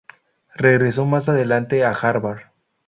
Regresó más adelante a Harvard.